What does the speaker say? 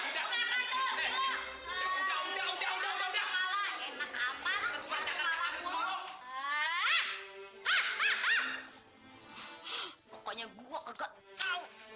sampai kapanpun gua enggak mau